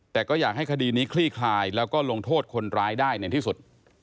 แต่ก็อยากให้คดีนี้คลี่คลายแล้วก็ลงโทษคนร้ายได้ในที่สุด